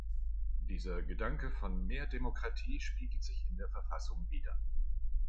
Dieser Gedanke von mehr Demokratie spiegelt sich in der Verfassung wider.